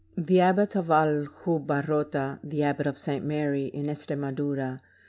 The Abbot of Aljubarrota, the Abbot of St. Mary, in Estre madoura.